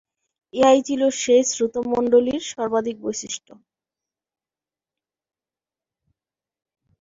ইহাই ছিল সেই শ্রোতৃমণ্ডলীর সর্বাধিক বৈশিষ্ট্য।